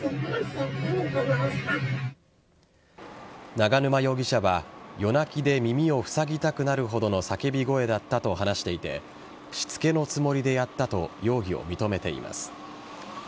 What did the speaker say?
永沼容疑者は夜泣きで耳をふさぎたくなるほどの叫び声だったと話していてしつけのつもりでやったと容疑を認めています。